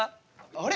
あれ？